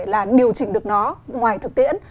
có thể là điều chỉnh được nó ngoài thực tiễn